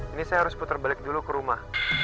ini saya harus putar balik dulu ke rumah